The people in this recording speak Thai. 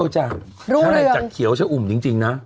ใช่จักเขียวเช้าอุ่มจริงนะ